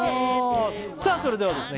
さあそれではですね